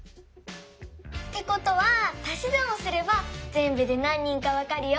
ってことはたしざんをすればぜんぶでなん人かわかるよ。